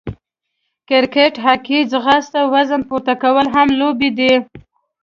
کرکېټ، هاکې، ځغاسته، وزن پورته کول هم لوبې دي.